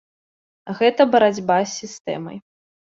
Гэта барацьба з сістэмай.